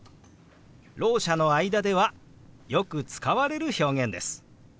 ろう者の間ではよく使われる表現です。